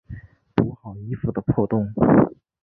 补好衣服的破洞